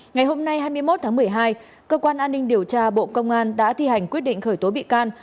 ngày hôm nay hai mươi một tháng một mươi hai cơ quan an ninh điều tra bộ công an đã thi hành quyết định khởi tố bị can